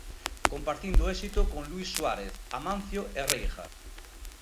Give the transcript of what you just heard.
Compartindo o éxito con Luís Suárez, Amancio e Reija.